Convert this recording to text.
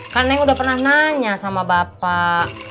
kan neng udah pernah nanya sama bapak